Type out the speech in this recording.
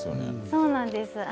そうなんです。